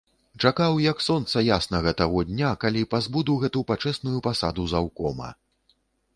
Чакаў, як сонца яснага, таго дня, калі пазбуду гэту пачэсную пасаду заўкома.